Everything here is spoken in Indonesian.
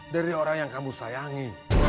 dari orang yang kamu sayangi